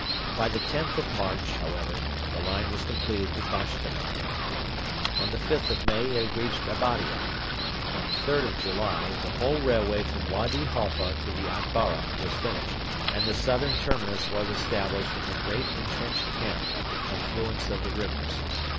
By the 10th of March, however, the line was completed to Bashtinab. On the 5th of May it had reached Abadia. On the 3rd of July the whole railway from Wady Halfa to the Atbara was finished, and the southern terminus was established in the great entrenched camp at the confluence of the rivers.